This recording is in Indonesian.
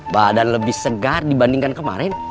badan lebih segar dibandingkan kemarin